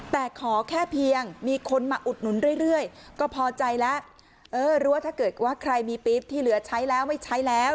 แต่ขอแค่เพียงมีคนมาอุดหนุนเรื่อยก็พอใจแล้วเออรู้ว่าถ้าเกิดว่าใครมีปี๊บที่เหลือใช้แล้วไม่ใช้แล้ว